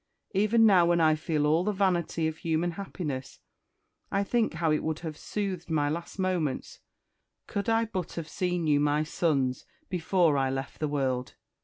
Even now, when I feel all the vanity of human happiness, I think how it would have soothed my last moments could I have but seen you my son's before I left the world!